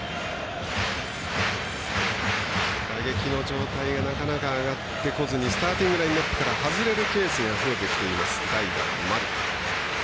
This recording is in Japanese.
打撃の状態がなかなか上がってこずにスターティングラインアップから外れるケースが増えてきている代打の丸。